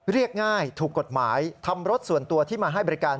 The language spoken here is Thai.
เรียกง่ายถูกกฎหมายทำรถส่วนตัวที่มาให้บริการ